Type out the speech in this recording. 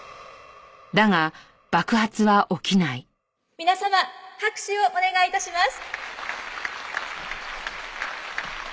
皆様拍手をお願い致します。